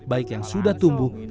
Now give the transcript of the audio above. baik yang sudah tumbuh